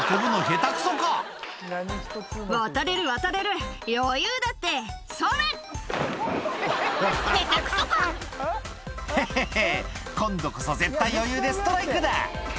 ヘタくそか⁉「ヘッヘッヘ今度こそ絶対余裕でストライクだ」